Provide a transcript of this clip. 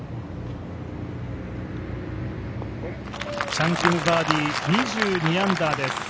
チャン・キムバーディー２２アンダーです。